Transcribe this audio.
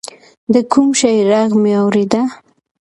د کوم شي ږغ مې اورېده.